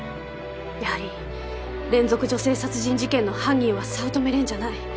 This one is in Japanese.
やはり連続女性殺人事件の犯人は早乙女蓮じゃない。